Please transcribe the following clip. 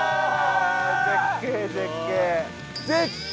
絶景絶景。